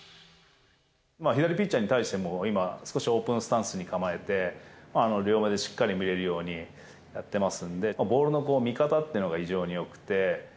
左ピッチャーに対しても今、少しオープンスタンスに構えて、両目でしっかり見れるようにやってますんで、ボールも見方っていうのが非常によくて。